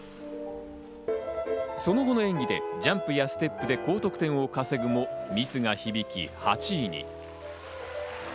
その後の演技でジャンプやステップで高得点を稼ぐも、ミスが響き８位に。